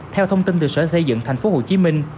theo thông tin từ sở xây dựng thành phố hồ chí minh